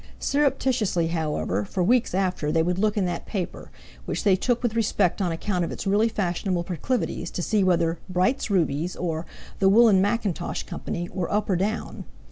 Surreptitiously, however, for weeks after they would look in that paper, which they took with respect on account of its really fashionable proclivities, to see whether "Bright's Rubies" or "The Woollen Mackintosh Company" were up or down.